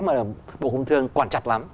mà bộ công thương quản chặt lắm